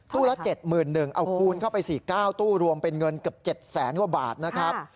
ละ๗๑๐๐เอาคูณเข้าไป๔๙ตู้รวมเป็นเงินเกือบ๗แสนกว่าบาทนะครับ